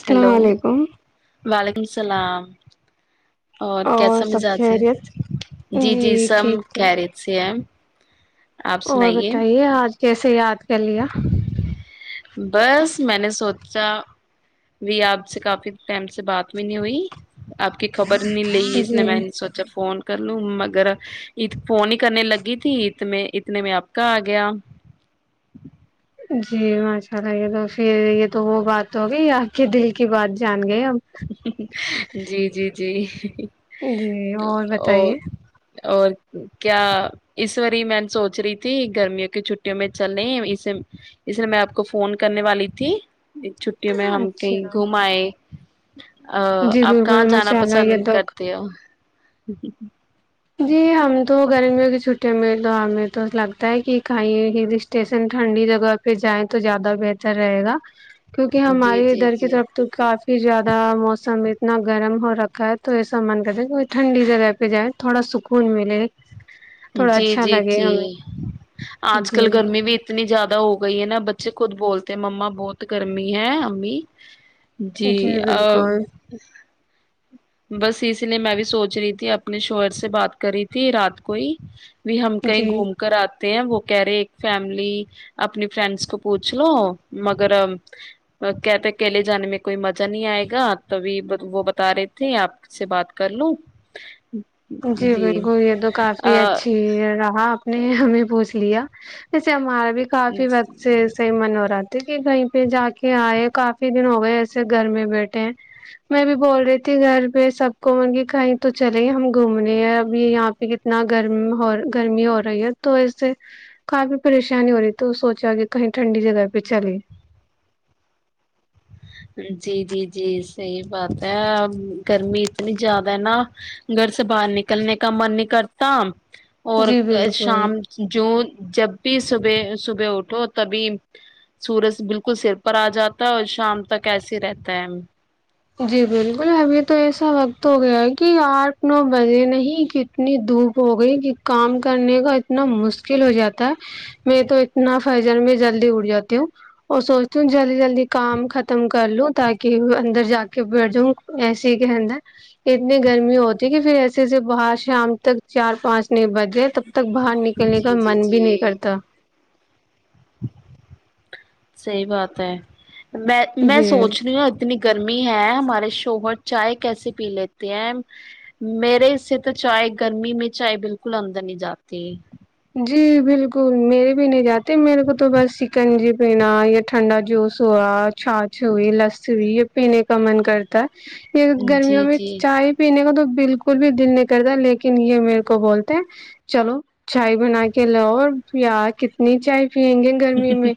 السلام ہلو علیکم وعلیکم سلام سلام اور کیسا سب مزاج ہے خیریت جی جی سب کہرییت سے ہیں ہہ ہوو گت ہے آ کیسے یاد کر لیا بس میں نے سوچا بھی آپ سے کافی ٹائم سے بات بھی نہیں ہوئی آپ کی خبر نہیں ل اس لیے جی میں نے سوچا فون کر لوں مگر فون ہی کرنے لگی تھی اتنے اتنے میں آپ کا آ گیا جی ماشاء اللہ یہ تو پھر یہ تو وہ بات تو ہو گئی یہ آپ کے دل کی بات جان گئی اب جی جی ج جی جی اور بتائیے اور کیا اس وی میں نے سوچ رہی تھی گرمیوں کی چھٹیوں میں چلنے اس اس لیے میں آپ کو فون کرنے والی تھی چھٹی میں ہم کہیں اچھا گھوم آئے ا جی آپ کہاں بالکل جانا ماشاء اللہ پسند یہ تو کرتے ہو جی ہم تو گرمیوں کی چھٹییاں م تو ہمیں تو لگتا ہے کہ کہیں ہل اسٹیشن ٹھنڈی جگہ پہ جائیں تو زیادہ بہتر رہے گا کیونکہ جی ہمارے جی ادھر کی جی طرف تو کافی پھر زیادہ موسم اتنا گرم ہو رکھا ہے تو ایسا من کرتا کہ کوئی ٹھنڈی جگہ پہ جائے تھوڑا سکون ملے تھوڑا جی اچھا جی لگے جی ہمیں آج کل جی گرمی بھی اتنی زیادہ ہو گئی ہے نا بچے خود بولتے ت مما بہت گرمی ہے امی جی آ بس اسی لیے میں بھی سوچ رہی تھی اپنے شوہر سے بات کر رہی تھی رات کو ہی بھی ہم کہیں جی گھوم کر آ وہ کہہ رہے ایک فیملی اپنی فرینڈس کو پوچھ لو مگر کہتے کیلے جانے میں کوئی مزہ نہیں آئے گا تبھی وہ بتا رہے تھ آپ سے بات کر لوں جی بالکل یہ تو کافی اچھی رہا نے ہمیں پوچ لیا جیسے ہمار بھی کافی وق سے سےحی من ہو رہا تھا کہ کہیں پہ جا کے آئے کافی دن ہو گئے ایسے گھر میں بیٹھے ہیں میں بھی بول رہی تھی گھر پہ سب کو مطل کہ کہیں تو چلے گ ہم گھومنے ہے اب یہاں پہ کتنا گرم ہو گرمی ہو رہی ہے تو ایس سے کافی پریشانی ہو رہی تو سوچا کہ کہیں ٹھنڈی جگہ پہ چلے جی جی جی صحی بات ہے گرمی اتنی زیادہ ہے نا گھر سے باہر نکلنے کا من نہیں کرتا اور جی بالکل شام جو جب بھی صبح صبح اٹھو تبھی سورج بالکل سر پر آ جاتا ہے شام تک ایسے رہتا ہے جی بالکل ابھی تو ایسا وقت ہو گیا ہے کہ آٹھ نو بجے نہیں کہ اتنی دھوپ ہو گئی کہ کام کرنے کا اتنا مشکل ہو جاتا ہے میں تو اتنا فاجر میں جلدی اٹھ جاتی ہوں اور سوچتی ہوں جلدی جلدی کام ختم کر لوں تاکہ اندر جا بیٹھ جاؤں ایسے ہی کے اندر اتنی گرمی ہوتی ہے کہ پھر ایسے ایسے باہر شام تک چار پانچ نہیں بج تب تک باہر نکلنے کا جی جی من بھی نہیں کرتا صحی بات ہے میں میں جی سوچ رہی ہوں اتنی گرمی ہے ہمارے شوہر چائے کیسے پی لیتے ہیں میرے سے تو چائے گرمی میں چائے بالکل اندر نہیں جاتی جی بالکل میرے بھی نہیں جاتے میرے کو تو بس چکن جی پینا یا ٹھنڈا جوس ہوا چاچھ ہوئی لسی ہوئی یہ پینے کا من کرتا ہے یہ گرمیوں جی میں جی چائے پینے کا تو بالکل بھی دل نہیں کرتا لیکن یہ میرے کو بولتے ہیں چلو چائے بنا کے لؤ یاار کتنی چائے پیئیں گے گرمی میں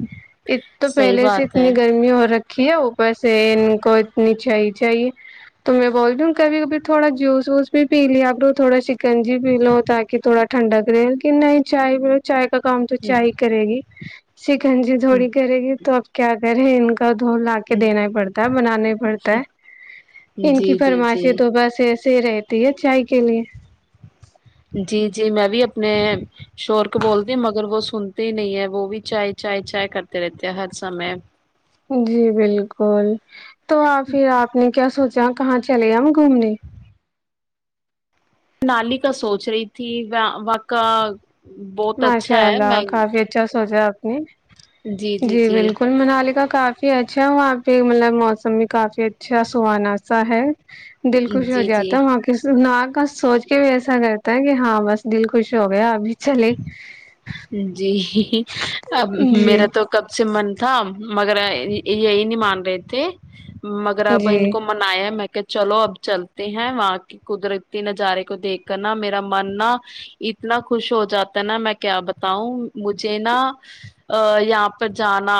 ا تو صحیح پہلے سے بات ہے اتنی گرمی ہو ر اوپر سے ان کو اتنی چاے ہی چاہیے تو میں بولتی ہوں کبھی کبھی تھوڑا جوس ووس بھی پی لیا آپ لو تھوڑا سا کنجی پی لو تاکہ تھوڑا ھنڈ کرریل [inaudible] کہ نہیں ہی چائے پ چائے کا کام تو جی چ ہی کرے گی شکن جی تھوڑی کرے گی تو اب کیا [inaudible] دھ لا کے دینا ہی پڑتا ہے بنانا ہی پڑتا ہے ان کی جی فرمائشی جی تو بس سے رہتی ہے چائے کے لیے جی جی میں بھی اپنے شور کو بولتی ہوں مگر وہ سنتے ہی نہیں ہے وہ بھی چائے چائے چائے کرتے رہتے ہیں ہر سمے جی بالکل تو آ پھر آپ نے کیا سوچ جہ کہاں چلے گ ہم گھومنے نالی کا سوچ رہی تھی و کا ماشاء اللہ کافی اچھا سوچا ہوں جی بالکل منال کاا کافی ج اچھا وہاں پہ مطلب موسم بھی کافی اچھا سہانا سا ہے دل خوش ہو جی جی جاتا ہے وہاں کی ن کا سوچ کے بھی ایسا کرتا ہے کہ ہاں بس دل خوش ہو گیا ابھی چلے ہوں جی اب جی میرا تو کب سے من تھا مگر یہی نہیں مان رہے تھے مگر اب ان جی کو منایا ہے میں کہ چلو اب چلتے ہیں وہاں کے قدرتی نظارے کو دیکھ کر نا میرا من نا اتنا خوش ہو جاتا نا میں کیا بتاؤں مجھے نا یہاں پر جانا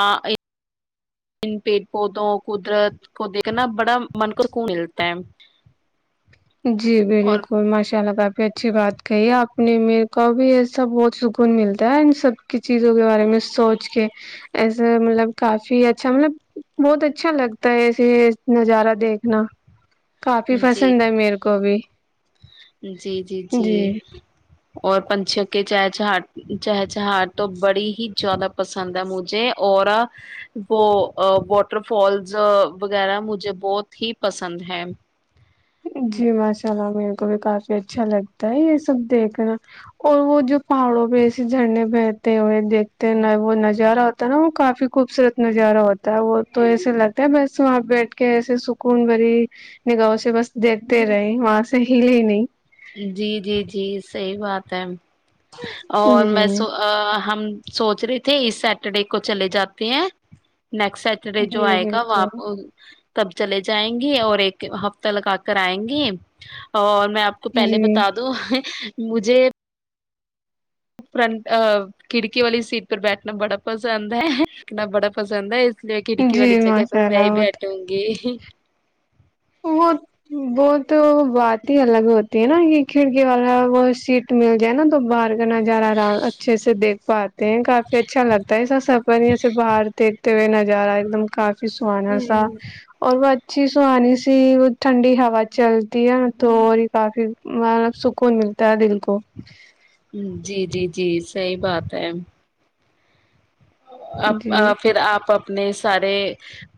ان پیڑ پودوں قدرت کو دیکھ کرنا بڑا من کو خون ملتا ہے جی اور بالکل ماشاء اللہ کافی اچھی بات کہی آپ اپنے م کو بھی ایسا بہت سکون ملتا ہے ان سب کی چیزوں کے بارے میں سوچ کے ایسے مطلب کافی اچھا مطلب بہت اچھا لگتا ہے ایسے نظارہ دیکھنا کافی جی پسند ہے میرا ا بھی [inaudible] جی جی جی اور پنچ کے چہچاٹ چہچہاٹ تو بڑی ہی زیادہ پسند ہے مجھے اور وہ واٹر فالز وغیرہ مجھے بہت ہی پسند ہے [unintelligible] جی ماشاء اللہ [unintelligible] بھی کافی اچھا لگتا ہے یہ سب دیکھنا اور وہ جو پہاڑوں پہ ایسے جھرنے بہتے ہوئے دیکھتے ہیں وہ نظارہ ہوتا ہے نا وہ کافی خوبصورت نظارہ ہوتا ہے وہ تو ایسے لگتا ہے بس وہاں پہ بیٹھ کے ایسے سکون بھری نگاہ سے بس دیکھتے رہے وہاں سے ہیلی نہیں [unintelligible] جی جی جی صحی بات ہے اور میں جی سو ہم [unintelligible] سوچ رہے تھے اس سیٹرڈے کو چلے جاتے ہیں [unintelligible] نیکسٹ سٹرڈے جو جی آئے گا وہ بالکل آپ [unintelligible] تب چلے جائیں گی اور ایک ہفتہ لگا کر آئیں گی اور میں کو پہلے جی بتا دو مجھے فرنٹ کھڑکی والی سیٹ پر بیٹھنا بڑا پسند ہے دکھنا بڑا پسند ہے اس لے کڑکی والی جی چ کے پ ماشاء میں بھی اللہ ہٹوں گی وہ وہ تو بات ہی الگ ہوتی ہے نا کہ کھڑکی والا وہ سیٹ مل جائے نا تو باہر جنا جا رہا رہا اچھے سے دیکھ سچ [inaudible] کافی اچھا لگتا ہےسا سفر یہے باہر دیکھتےئے ن جا رہا ایک دم ک [inaudible] ف سہانا سا اور ب [inaudible] اچی سونی [inaudible] وہ ٹھنڈی ہوا چلتی ہے نا تو اور یہ کافی مطلب سکون ملتا ہے دل کو جی جی جی صحی بات ہے جی پھر آپ اپنے سارے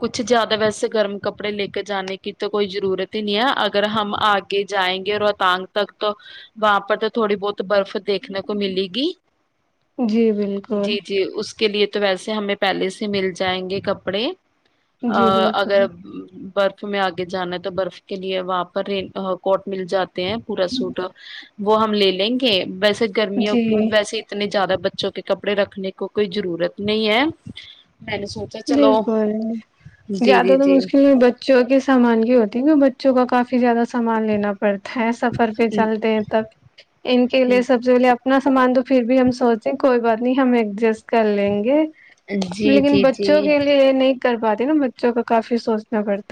کچھ زیادہ ویسے گرم کپڑے لے کے جانے کی تو کوئی ضرورت ہی نہیں ہے اگر ہم آگے جائیں گے روہتانگ تک تو وہاں پر تو تھوڑی بہت برف دیکھنے کو ملے گی جی بالکل جی جی اس کے لیے تو ویسے ہمیں پہلے سے مل جائیں گے کپڑے ا جی اگر بالکل برت یں آگے جانا ہے تو برف کے لیے وہاں پر ر کوٹ مل جاتا تے ہیں پورا سوٹ وہ ہم لے لیں گے بس جی گرمییاوں ویسے اتنے زیادہ بچوں کے کپڑے رکھنے کو کوئی ضرورت نہیں ہے میں نے سوچا چلو بالکل جی زیادہ جی تو جی مشکل میں بچوں کے سامان کی ہوتی کی ا کافی زیادہ سامان لینا پڑتا ہے سفر پہ چلتے ہیں تب ان کے جی لیے سب جو لے اپنا سامان تو پھر بھی ہم سوچے کوئی بات نہیں ہمیں ایڈجسٹ کر لیں گے جی لیکن بچ بچوں جی کے لیے یہ نہیں کر پاتے نا بچوں کافی سوچنا پڑتا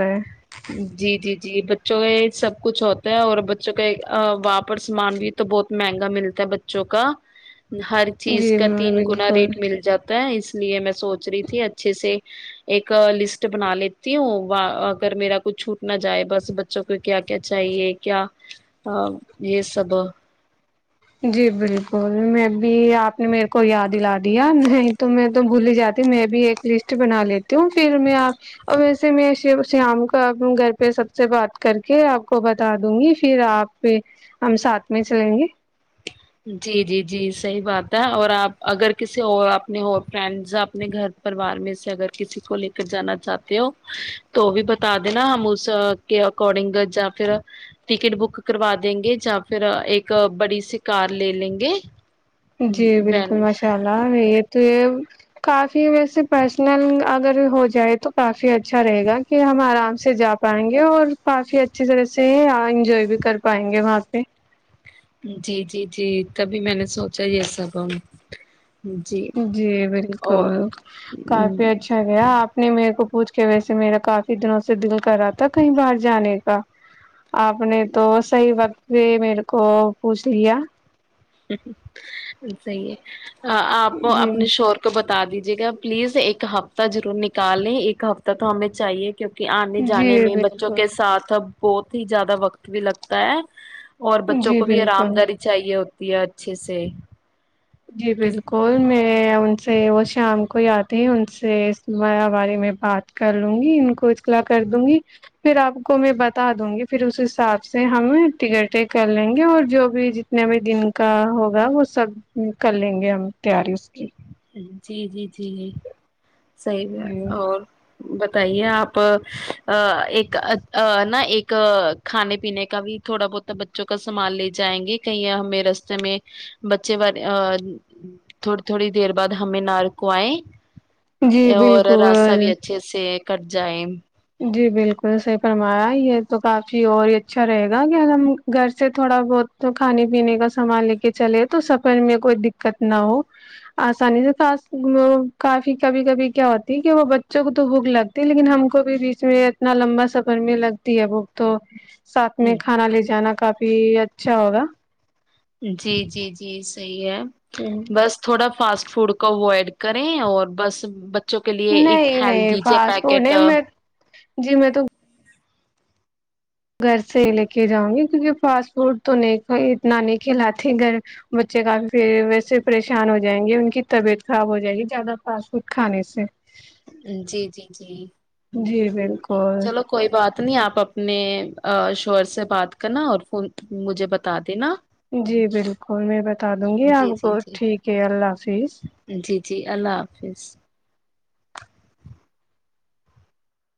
جی جی جی سب کچھ ہوتا ہے اور بچوں کا وہا پر سامان بھی تو بہت مہنگا ملتا ہے بچوں کا ہر ہے چیز جی کا میں تین گنا بالکل ریٹ مل جاتا ہے اس اس لیے میں سوچ رہی تھی اچھے سے ایک لسٹ بنا لیتی ہوں اگر میرا کچھ چھوٹ نہ جائے بس بچوں کو کیا کیا چاہیے کیا یہ سب جی بالکل میں ابھی اپ نے میرے کو یاد دیا نہیں تو میں تو بھول ہی جاتی میں بھی ایک لسٹ بنا لیتی ہوں پھر میں اور ویسے میں اسے ام کر دوں گھر پہ سب سے بات کر کے اپ کو بتا دوں گی پھر اپ ہم ساتھ میں چلیں گے جی جی جی صحیح بات ہے اور آپ اگر کسی اور اپنے فرینڈ اپنے گھر پرریوار میں سے اگر کسی کو لے کر جانا چاہتے ہو تو بھی بتا دینا ہم اس کے اکارڈنگ جیا پھر ٹکٹ بک کروا دیں گے یا پھر ایک بڑی سی کار لے لیں گے [unintelligible] جی وین بالکل ماشاء اللہ یہ تو یہ [unintelligible] کافی ویسے پرسنل اگر ہو جائے تو کافی اچھا رہے گا کہ ہم آرام سے جا پائیں گے اور کافی اچھی طرح سے انجوائے بھی کر جی جی جی تبھی میں نے سوچا یہ سب جی اور بالکل کافی اچھا کیا آپ نے میرے کو [unintelligible] پوچھ کے ویسے میرا کافی دنوں سے دل کرا تھا کہیں باہر جانے کا [unintelligible] آپ نے تو صحیح وقت [unintelligible] و میرے کو پوچھ لیا [unintelligible] صحی ہے [unintelligible] آپ جی اپنے شور کو ب [unintelligible] بتا دیجیے گا پلیز ایک ہفتہ ضرور نکالیں ایک ہفتہ تو ہمیں چاہیے کیکہ [unintelligible] آنے جانے جی میں بچوں بالکل کے ساتھ [unintelligible] بہت ہی زیادہ وقت بھی لگتا ہے [unintelligible] اور بچوں جی کو بھی آرام بالکل داری چاہیے ہو [unintelligible] دیا اچھے سے [unintelligible] جی کس بالکل میں ان [unintelligible] سے وہ شام کو ہی آتے ہیں ان سے بارے میں بات کر لوں گی ان کو اطخلاع کر دوں گی پھر آپ کو میں بتا دوں گی پھر اس حساب سے ہم ٹکٹیں کر لیں گے اور جو بھی جتنے بھی دن کا ہوگا وہ سب [unintelligible] ہ کر لیں گے ہم [unintelligible] تیاری اس کی [unintelligible] جی جی جی جی [unintelligible] صحی ہے جی اور [unintelligible] بتائیے آپ ایک نا ایک کھانے پینے کا بھی تھوڑا بہت بچوں کا سامان لے جائیں گے کہیں ہمیں رستے میں بچے والے [unintelligible] تھوڑی تھوڑی دیر بعد ہمیں نار کو آئے جی [unintelligible] اور راستہ بالکل بھی اچھے سے [unintelligible] کرر جائم [unintelligible] جی بالکل صحی فرمایا یہ تو کافی اور اچھا رہے گا کہ ا ہم گھر سے تھوڑا بہت کھانے پینے کا سامان لے کے چلے تو سفر میں کوئی دقت نہ ہو آسانی سے وہ کافی کبھی کبھی کیا ہوتی کہ وہ بچوں کو تو بھوک لگتی لیکن ہ کو بھی بیچ میں اتنا لمبا سفر میں لگتی ہے وہ تو [unintelligible] ساتھ میں کھانا لے جانا کافی اچھا ہوگا جی جی جی صحیح [unintelligible] بس تھوڑا [unintelligible] فاسٹ فوڈ کو اوائڈ کریں اور بس [unintelligible] ایک نہیں نہیں ہیلدی ج فاسٹ فوڈ پیکٹ نہیں میں جی میں تو [unintelligible] گھر سے لے کے جاؤں گی [unintelligible] کیونکہ فاسٹ فوڈ تو نہیں اتنا نہیں کھلاتے گھر بچے کافی پ ویسے پریشان ہو جائیں گے ان کی طبیعت خراب ہو جائے گی زیادہ فاسٹ فوڈ کھانے س جی جی جی جی بالکل چلو کوئی بات نہیں آپ اپنے [unintelligible] شوور سے بات کرنا اور فون مجھے بتا دینا جی بالکل میں بتا دوں گی جی آپ جی کو جی ٹھیک ہے اللہ حافظ جی جی اللہ حافظ